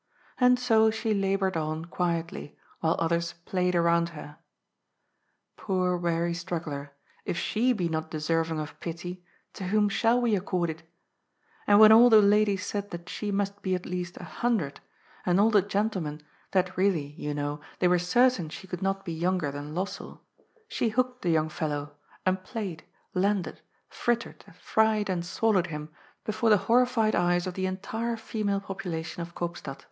And so she laboured on quietly, while others played around her. Poor weary straggler, if she be not deserving of pity, to whom shall we accord it? And when all the ladies said that she must be at least a hundred, and all the gentlemen that 152 C^OD'S POOL. really, you know, they were certain she could not be younger than Lossell, she hooked the young fellow, and played, landed, frittered, fried and swallowed him before the horri fied eyes of the entire female population of Koopstad.